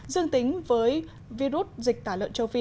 dương tính với virus dịch tả lợn châu phi